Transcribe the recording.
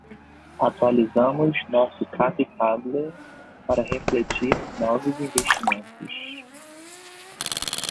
Atualizamos nosso cap table para refletir novos investimentos.